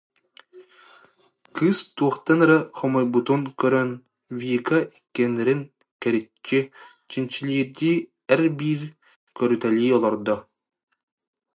Кыыс туохтан эрэ хомойбутун көрөн, Вика иккиэннэрин кэриччи, чинчилиирдии эр-биир көрүтэлии олордо